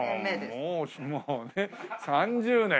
ああもうもうね３０年！